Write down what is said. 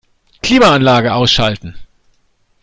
Klimaanlage ausschalten.